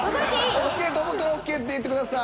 ＯＫと思ったら「ＯＫ」って言ってください。